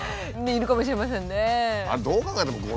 いるかもしれませんね。